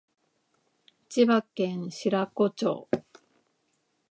千葉県白子町